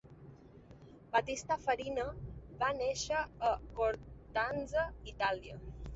Battista Farina va néixer a Cortanze, Itàlia.